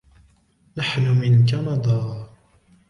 نحن من كندا.